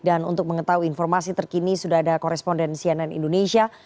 dan untuk mengetahui informasi terkini sudah ada koresponden cnn indonesia